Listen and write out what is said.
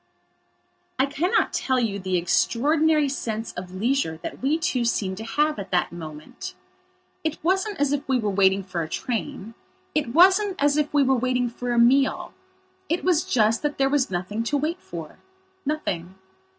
I cannot tell you the extraordinary sense of leisure that we two seemed to have at that moment. It wasn't as if we were waiting for a train, it wasn't as if we were waiting for a mealit was just that there was nothing to wait for. Nothing.